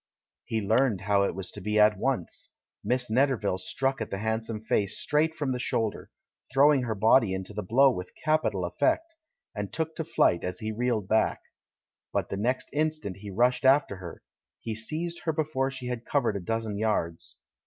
He learnt how it was to be at once; Miss Netterville struck at the handsome face straight from the shoulder — throwing her body into the blow with capital effect — and took to flight as he reeled back. But the next instant he rushed after her; he seized her before she had covered a dozen yards.